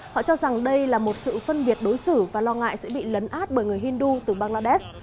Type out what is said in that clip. họ cho rằng đây là một sự phân biệt đối xử và lo ngại sẽ bị lấn át bởi người hindu từ bangladesh